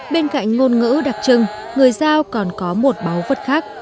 bên cạnh ngôn ngữ đặc trưng người giao còn có một báu vật khác